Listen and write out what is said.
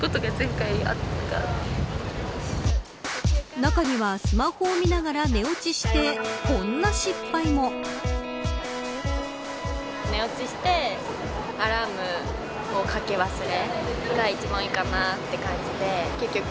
中にはスマホを見ながら寝落ちしてこんな失敗も。「キュキュット」油汚れ